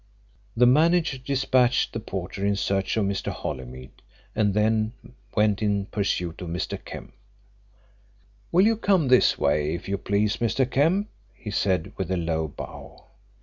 The manager despatched the porter in search of Mr. Holymead and then went in pursuit of Mr. Kemp. "Will you come this way, if you please, Mr. Kemp?" he said, with a low bow.